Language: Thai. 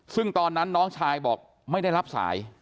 ซึ่งตอนนั้นน้องชายบอกไม่ได้รับสาย